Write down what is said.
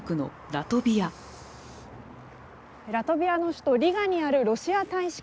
ラトビアの首都リガにあるロシア大使館。